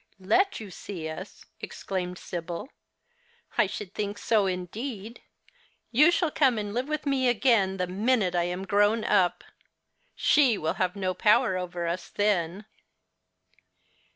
" Let you see us !" exclaimed 8ibyl ;" I should think so, indeed ! You shall come and live with me again the minute I am grown up. She will have no power over us then."